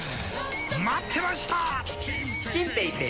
待ってました！